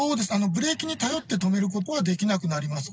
ブレーキに頼って止めることはできなくなります。